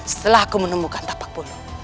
setelah aku menemukan tapak bunuh